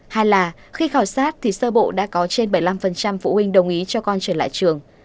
hai là khi khảo sát thì sơ bộ đã có trên bảy mươi năm phụ huynh đồng ý cho con trở lại trường